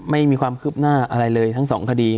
ไม่มีความคืบหน้าอะไรเลยทั้งสองคดี